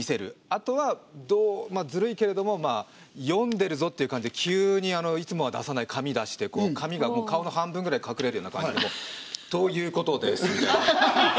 あとはずるいけれども読んでるぞっていう感じで急にいつもは出さない紙出して紙がもう半分ぐらい隠れるような感じで「ということです」みたいな。